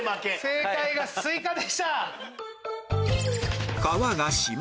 正解がスイカでした。